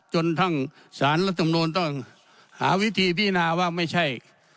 จนทั้งสารรัฐมนูลต้องหาวิธีพินาว่าไม่ใช่